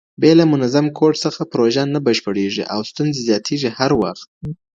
بې له منظم کوډ څخه پروژه نه بشپړېږي او ستونزې زیاتېږي هر وخت.